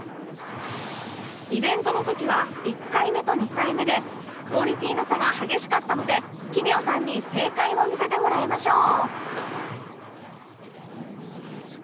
イベントの時は１回目と２回目でクオリティの差が激しかったので奇妙さんに正解を見せてもらいましょう